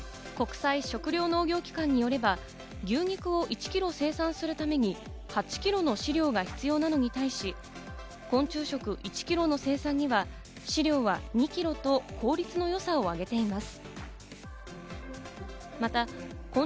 国際食糧農業機関によれば、牛肉を１キロ生産するために、８キロの飼料が必要なのに対し、昆虫食１キロの生産には飼料は２キロと効率のよさを挙げています。